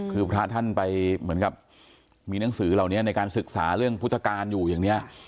คือพระท่านไปเหมือนกับมีหนังสือเหล่านี้ในการศึกษาเรื่องพุทธการอยู่อย่างนี้